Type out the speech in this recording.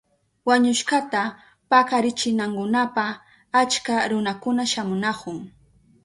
Wañushkata pakarichinankunapa achka runakuna shamunahun.